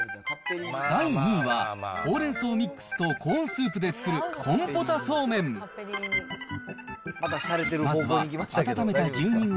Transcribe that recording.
第２位はほうれん草ミックスとコーンスープで作るコンポタそうめん。